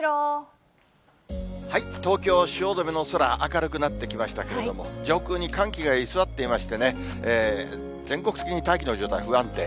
東京・汐留の空、明るくなってきましたけれども、上空に寒気が居座っていましてね、全国的に大気の状態、不安定。